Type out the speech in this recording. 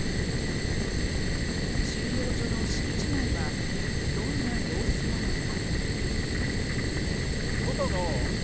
収容所の敷地内はどんな様子なのか？